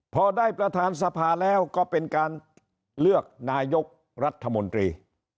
พอได้ประธานสภาแล้วก็เป็นการเลือกนายกรัฐมนตรี